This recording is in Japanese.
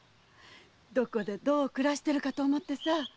どこでどう暮らしてるかと思ってさあ。